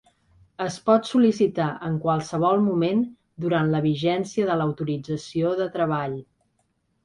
Es pot sol·licitar en qualsevol moment durant la vigència de l'autorització de treball.